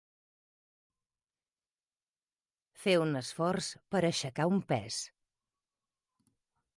Fer un esforç per aixecar un pes.